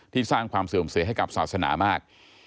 สร้างความเสื่อมเสียให้กับศาสนามาก